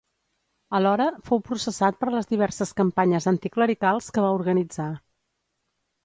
Alhora, fou processat per les diverses campanyes anticlericals que va organitzar.